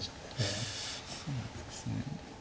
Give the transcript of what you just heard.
そうなんですね。